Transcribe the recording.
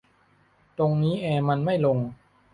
ตรงนี้แอร์มันไม่ลง